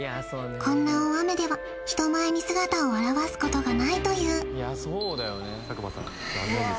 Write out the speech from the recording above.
こんな大雨では人前に姿を現すことがないという俺マジで